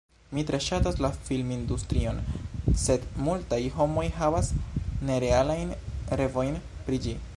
Mi tre ŝatas la filmindustrion, sed multaj homoj havas nerealajn revojn pri ĝi.